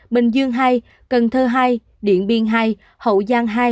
bình thuận tám trăm linh